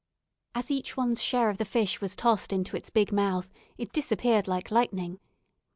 As each one's share of the fish was tossed into its big mouth, it disappeared like lightning.